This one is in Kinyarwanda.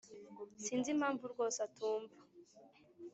Sinzi impamvu rwosse atumva